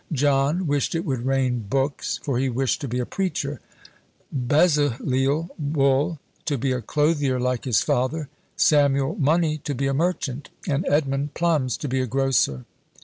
John wished it would rain books, for he wished to be a preacher; Bezaleel, wool, to be a clothier like his father; Samuel, money, to be a merchant; and Edmund plums, to be a grocer.